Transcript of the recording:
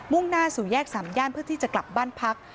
่งหน้าสู่แยกสามย่านเพื่อที่จะกลับบ้านพัก